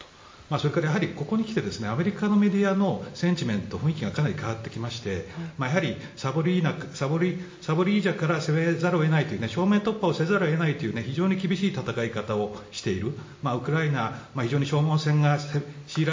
それからやはりここに来てアメリカのメディアのセンチメント、雰囲気がかなり変わってきましてやはりザポリージャから攻めざるを得ないという正面突破をせざるを得ないという非常に厳しい戦い方をしている。